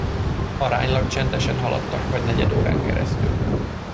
Aránylag csendesen haladtak vagy negyedórán keresztül.